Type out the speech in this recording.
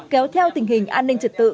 kéo theo tình hình an ninh trật tự